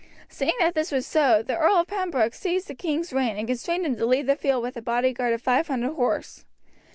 Seeing that this was so, the Earl of Pembroke seized the king's rein and constrained him to leave the field with a bodyguard of 500 horse.